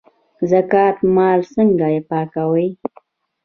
زکات مال څنګه پاکوي؟